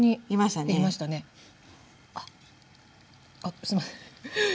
あっすいません。